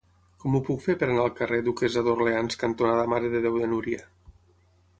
Com ho puc fer per anar al carrer Duquessa d'Orleans cantonada Mare de Déu de Núria?